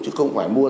chứ không phải mua